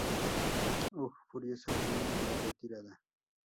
Hugh furioso ordena la retirada.